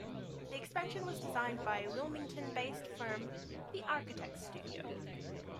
This expansion was designed by the Wilmington-based firm The Architects Studio.